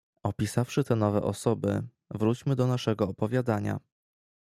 "Opisawszy te nowe osoby, wróćmy do naszego opowiadania."